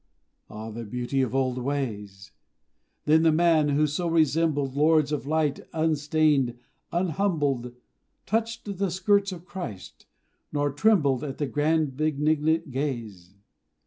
Ah, the beauty of old ways! Then the man who so resembled Lords of light unstained, unhumbled, Touched the skirts of Christ, nor trembled At the grand benignant gaze!